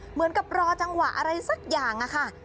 เหมือนกับรอจังหวะอะไรสักอย่างค่ะ